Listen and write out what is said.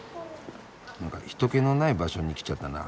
なんか人けのない場所に来ちゃったな。